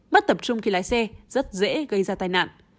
mất tập trung khi lái xe rất dễ gây ra tai nạn